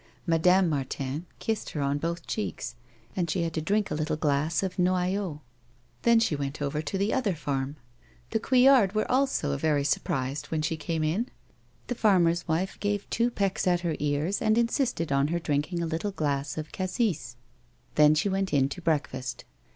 Madame Martin kissed her on both cheeks, and she had to drink a little glass of noyau ; then she went over to the other farm. The Couillards were also very sur prised when she came in ; the farmer's wife gave two jDecks at her ears and insisted on lier drinking a little glass of cassis ; then she went in to breakfast.